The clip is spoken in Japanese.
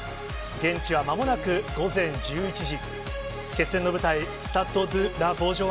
現地はまもなく午前１１時。